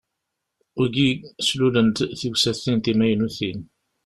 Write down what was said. Wigi slulen-d tiwsatin timaynutin.